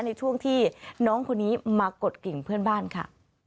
ในช่วงที่น้องคนนี้มากดกิ่งเพื่อนบ้านค่ะ